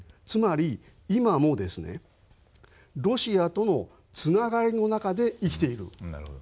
つまり今もロシアとのつながりの中で生きている地域ですよ。